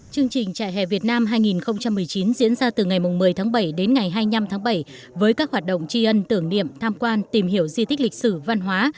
chương trình trại hè việt nam hai nghìn một mươi chín diễn ra từ ngày một mươi tháng bảy đến ngày hai mươi năm tháng bảy với các hoạt động tri ân tưởng niệm tham quan tìm hiểu di tích lịch sử văn hóa